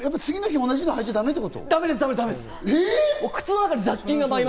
次の日、同じの履いちゃだめってこと？